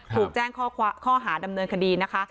ถูกแจ้งข้อหาดำเนินคดีนะคะ